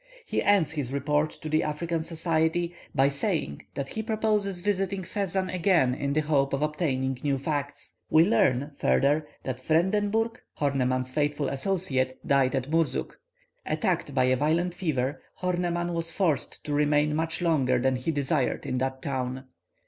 He ends his report to the African Society by saying that he proposes visiting Fezzan again in the hope of obtaining new facts. We learn, further, that Frendenburg, Horneman's faithful associate, died at Murzuk. Attacked by a violent fever, Horneman was forced to remain much longer than he desired in that town.